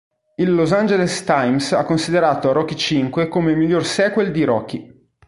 Il "Los Angeles Times" ha considerato "Rocky V" come il miglior sequel di "Rocky".